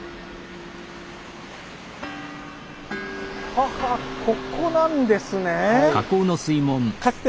ははここなんですね。